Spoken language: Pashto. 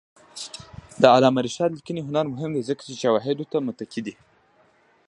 د علامه رشاد لیکنی هنر مهم دی ځکه چې شواهدو ته متکي دی.